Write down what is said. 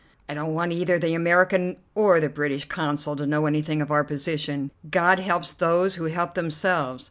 I don't want either the American or the British Consul to know anything of our position. God helps those who help themselves.